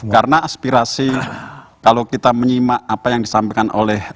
karena aspirasi kalau kita menyimak apa yang disampaikan oleh